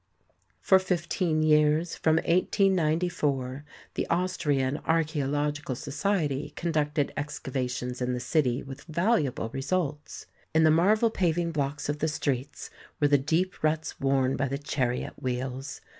For fifteen years from 1894 the Aus trian Archaeological Society conducted excavations in the city with valuable results. In the marble paving blocks of the streets were the deep ruts worn by the chariot wheels.